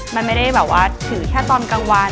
มันไม่ได้แบบว่าถือแค่ตอนกลางวัน